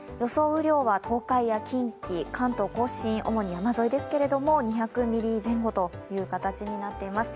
雨量は東海や近畿、関東甲信、主に山沿いですけれども、２００ミリ前後という形になっています。